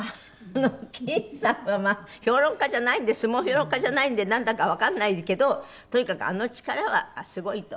きんさんはまあ評論家じゃないんで相撲評論家じゃないんでなんだかわかんないけどとにかくあの力はすごいと。